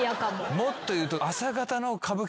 もっと言うと。